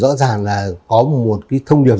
rõ ràng là có một cái thông điệp